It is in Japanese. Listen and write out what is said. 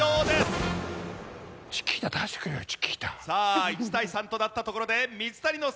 さあ１対３となったところで水谷のサーブ！